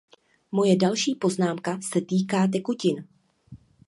Moje další poznámka se týká tekutin.